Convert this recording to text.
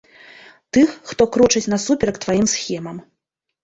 Тых, хто крочыць насуперак тваім схемам.